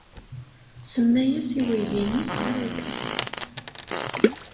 Tsemma-as i weydi-nnes Rex.